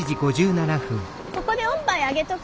ここでおっぱいあげとく。